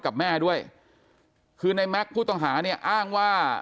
กับแม่ด้วยคือนายแมขผู้ต้องหาอ้างว่า